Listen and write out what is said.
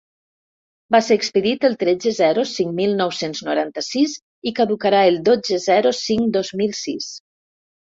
Va ser expedit el tretze-zero cinc-mil nou-cents noranta-sis i caducarà el dotze-zero cinc-dos mil sis.